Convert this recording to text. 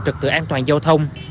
trực tự an toàn giao thông